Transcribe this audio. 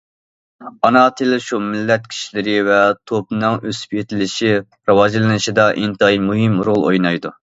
ئانا تىل شۇ مىللەت كىشىلىرى ۋە توپىنىڭ ئۆسۈپ يېتىلىشى، راۋاجلىنىشىدا ئىنتايىن مۇھىم رول ئوينايدۇ.